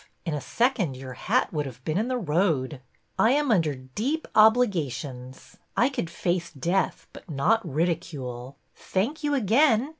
In a second your hat would have been in the road." " I am under deep obligations. I could face death, but not ridicule. Thank you again